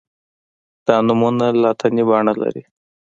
دا نومونه لاتیني بڼه لري.